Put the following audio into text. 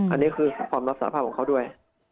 อันนี้คือความรับสารภาพของเขาด้วย